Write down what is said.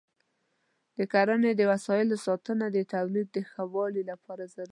د کرنې د وسایلو ساتنه د تولید د ښه والي لپاره ضروري ده.